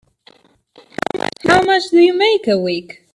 How much do you make a week?